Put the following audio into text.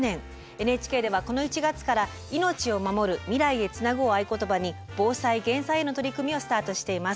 ＮＨＫではこの１月から「命をまもる未来へつなぐ」を合言葉に防災・減災への取り組みをスタートしています。